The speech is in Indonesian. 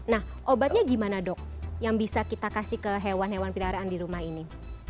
nah obatnya gimana dok yang bisa kita kasih ke hewan hewan peliharaan di rumah ini